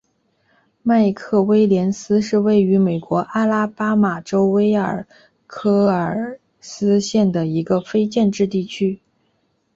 麦克威廉斯是位于美国阿拉巴马州威尔科克斯县的一个非建制地区。